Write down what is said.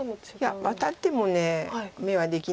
いやワタっても眼はできないので。